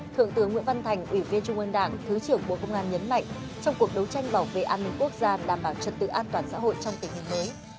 thượng tướng nguyễn văn thành ủy viên trung ương đảng thứ trưởng bộ công an nhấn mạnh trong cuộc đấu tranh bảo vệ an ninh quốc gia đảm bảo trật tự an toàn xã hội trong tình hình mới